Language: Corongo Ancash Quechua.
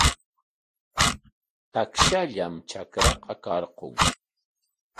Takshallam trakraqa karqun.